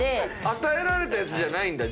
与えられたやつじゃないんだ。